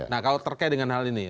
nah kalau terkait dengan hal ini